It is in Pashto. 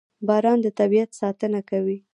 • باران د طبیعت ساتنه کوي.